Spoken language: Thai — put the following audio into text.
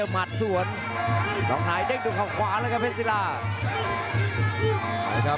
หลอกหวัง